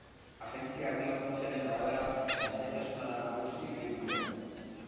Agentzia erdiofizialen arabera, lasaitasuna da nagusi hiriburuan.